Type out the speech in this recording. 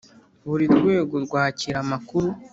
buri rwego rwakira amakuru